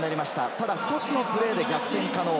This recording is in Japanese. ただ２つのプレーで逆転可能。